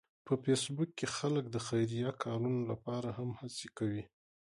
په فېسبوک کې خلک د خیریه کارونو لپاره هم هڅې کوي